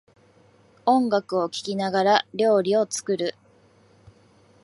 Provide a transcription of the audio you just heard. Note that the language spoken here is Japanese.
音楽を聴きながら料理を作る